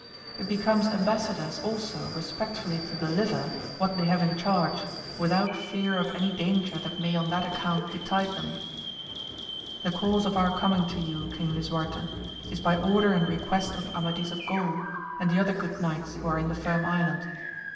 It becomes embassadors also respectfully to deliver what they have in charge without fear of any danger that may on that account betide them. The cause of our coming to you King Lisuarte, is by order and request of Amadis of Gaul and the other good knights who are in the Firm Island.